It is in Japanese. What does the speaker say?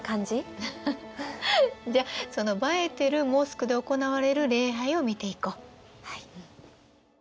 じゃその映えてるモスクで行われる礼拝を見ていこう。